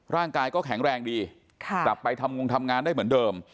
ร่างกายก็แข็งแรงดีกลับไปทำงงทำงานได้เหมือนเดิม